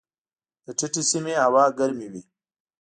د ټیټې سیمې هوا ګرمې وي.